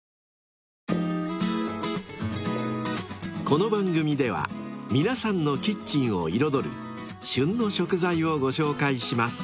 ［この番組では皆さんのキッチンを彩る「旬の食材」をご紹介します］